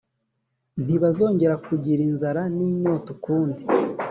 ntibazongera kugira inzara n inyota ukundi